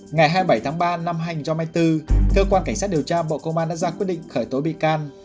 ngày hai mươi bảy tháng ba năm hai mươi bốn cơ quan cảnh sát điều tra bộ công an đã ra quyết định khởi tối bị can